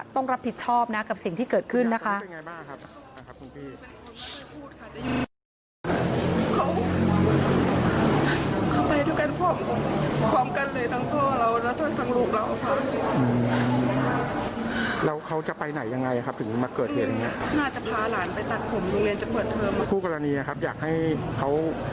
ต้องรับผิดชอบนะกับสิ่งที่เกิดขึ้นนะคะ